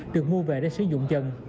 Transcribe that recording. được mua về để sử dụng dần